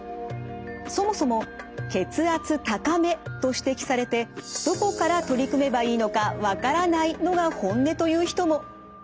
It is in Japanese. そもそも血圧高めと指摘されてどこから取り組めばいいのか分からないのが本音という人も。